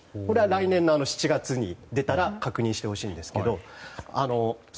来年７月に出たら確認してほしいんですけど。